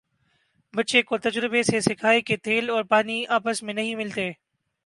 بچے کو تجربے سے سکھائیں کہ تیل اور پانی آپس میں نہیں ملتے